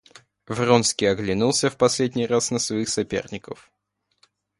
Вронский оглянулся в последний раз на своих соперников.